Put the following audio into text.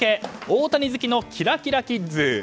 大谷好きのキラキラキッズ。